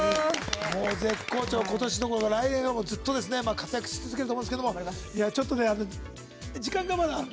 絶好調、来年もずっと活躍し続けると思うんですけどちょっと時間がまだあると。